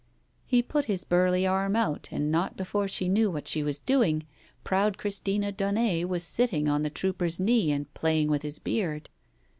He put his burly arm out, and, not before she knew what she was doing, proud Christina Daunet was sitting on a trooper's knee and playing with his beard.